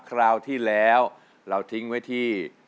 คราวที่แล้วเราทิ้งไว้ที่